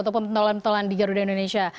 ataupun penontonan di garuda indonesia